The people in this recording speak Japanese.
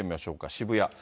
渋谷。